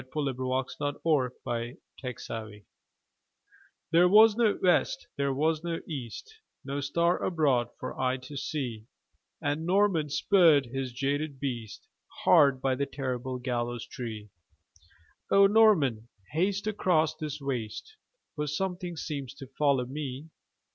Y Z The Demon of the Gibbet THERE was no west, there was no east, No star abroad for eye to see; And Norman spurred his jaded beast Hard by the terrible gallows tree. "O Norman, haste across this waste For something seems to follow me!"